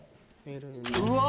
うわ！